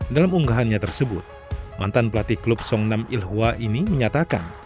dalam unggahannya tersebut mantan pelatih klub songnam ilhwa ini menyatakan